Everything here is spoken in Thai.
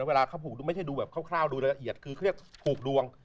ไม่ใช่ดูแบบคร่าวดูละเอียดคือเรียกผูกดวง